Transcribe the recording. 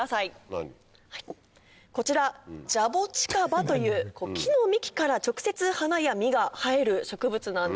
こちらジャボチカバという木の幹から直接花や実が生える植物なんです。